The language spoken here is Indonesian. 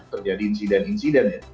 terjadi insiden insiden ya